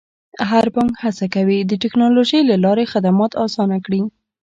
هر بانک هڅه کوي د ټکنالوژۍ له لارې خدمات اسانه کړي.